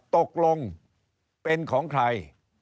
ตกลงเป็นของใคร